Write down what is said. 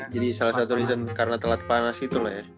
jadi salah satu reason karena telat panas itu lah ya